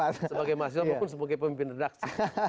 sebagai mahasiswa maupun sebagai pemimpin redaksi